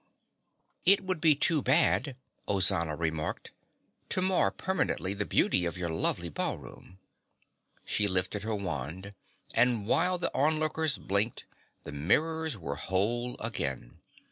"It would be too bad," Ozana remarked, "to mar permanently the beauty of your lovely ballroom." She lifted her wand, and while the onlookers blinked the mirrors were whole again.